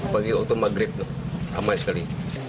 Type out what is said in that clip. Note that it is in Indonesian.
pagi waktu maghrib ramai sekali